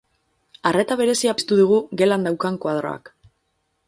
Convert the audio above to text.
Arreta berezia piztu digu gelan daukan koadroak.